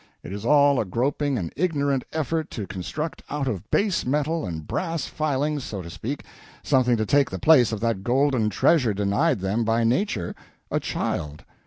It is all a groping and ignorant effort to construct out of base metal and brass filings, so to speak, something to take the place of that golden treasure denied them by Nature, a child.